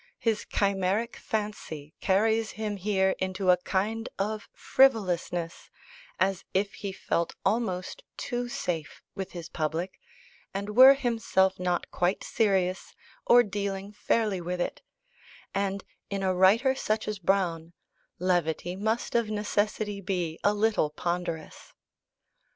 His chimeric fancy carries him here into a kind of frivolousness, as if he felt almost too safe with his public, and were himself not quite serious, or dealing fairly with it; and in a writer such as Browne levity must of necessity be a little ponderous.